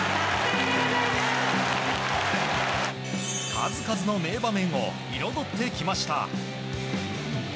数々の名場面を彩ってきました。